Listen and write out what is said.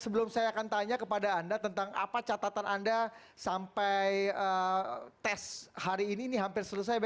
sebelum saya akan tanya kepada anda tentang apa catatan anda sampai tes hari ini ini hampir selesai